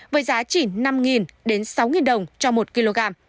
với giá chỉ năm đến sáu đồng cho một kg